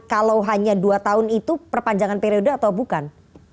kalau hanya dua tahun itu perpanjangan periode atau bukan